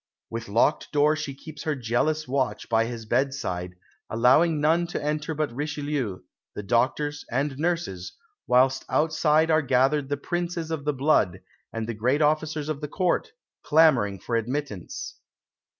With locked door she keeps her jealous watch by his bedside, allowing none to enter but Richelieu, the doctors, and nurses, whilst outside are gathered the Princes of the Blood and the great officers of the Court, clamouring for admittance.